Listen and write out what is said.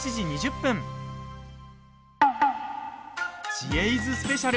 「知恵泉スペシャル」